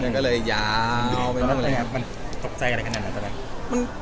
ตกใจอะไรขนาดนั้น